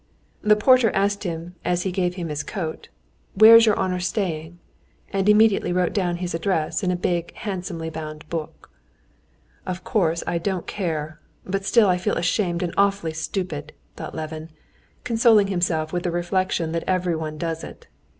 The porter asked him, as he gave him his coat, "Where is your honor staying?" and immediately wrote down his address in a big handsomely bound book. "Of course I don't care, but still I feel ashamed and awfully stupid," thought Levin, consoling himself with the reflection that everyone does it.